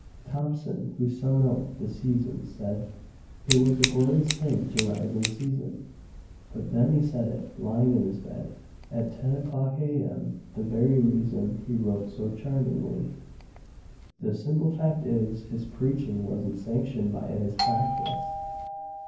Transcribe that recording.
Thomson, who sung about the "Seasons," saidIt was a glorious thing to rise in season; But then he said it—lying—in his bed, At ten o'clock A.M.,—the very reasonHe wrote so charmingly. The simple fact is, His preaching was n't sanctioned by his practice.